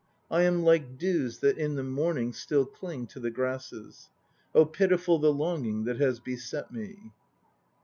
I am like dews that in the morning Still cling to the grasses. Oh pitiful the longing That has beset me!